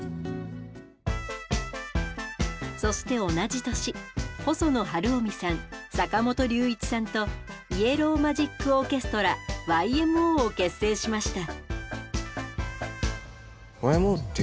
そして同じ年細野晴臣さん坂本龍一さんとイエロー・マジック・オーケストラ＝ＹＭＯを結成しました。